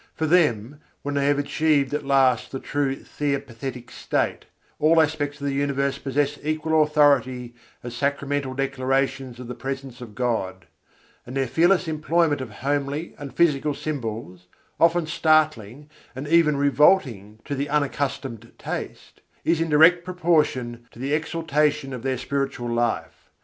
For them, when they have achieved at last the true theopathetic state, all aspects of the universe possess equal authority as sacramental declarations of the Presence of God; and their fearless employment of homely and physical symbols often startling and even revolting to the unaccustomed taste is in direct proportion to the exaltation of their spiritual life.